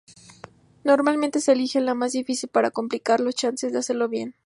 Normalmente se elige la más difícil para complicar las chances de hacerlo bien.